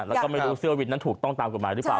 แล้วก็ไม่รู้เสื้อวินนั้นถูกต้องตามกฎหมายหรือเปล่า